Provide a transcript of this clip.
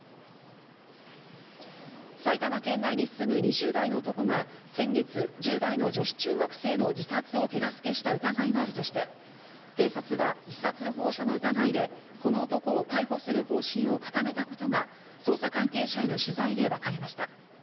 埼玉県内に住む２０代の男が先月、１０代の女子中学生の自殺を手助けした疑いがあるとして、警察は自殺ほう助の疑いで、この男を逮捕する方針を固めたことが捜査関係者への取材でわかりました。